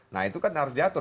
nah itu kan harus diatur